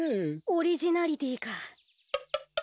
オリジナリティーか。